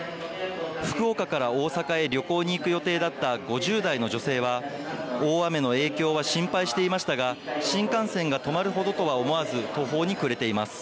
福岡から大阪へ旅行に行く予定だった５０代の女性は大雨の影響は心配していましたが新幹線が止まるほどとは思わず途方に暮れています。